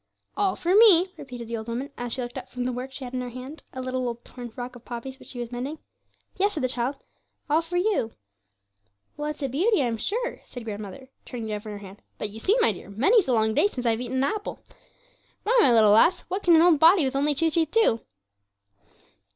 'All for me,' repeated the old woman, as she looked up from the work she had in her hand a little old torn frock of Poppy's, which she was mending. 'Yes,' said the child, 'all for you.' 'Well, it's a beauty, I'm sure!' said grandmother, turning it over in her hand; 'but you see, my dear, many's the long day since I've eat an apple. Why, my little lass, what can an old body with only two teeth do?'